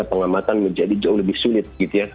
pengamatan menjadi jauh lebih sulit